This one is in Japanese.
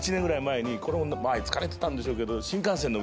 まあ疲れてたんでしょうけど。